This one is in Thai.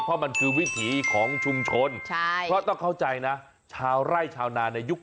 เพราะมันคือวิถีของชุมชน